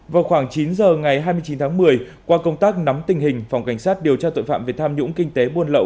vào khoảng chín giờ ngày hai mươi chín tháng một mươi qua công tác nắm tình hình phòng cảnh sát điều tra tội phạm về tham nhũng kinh tế buôn lậu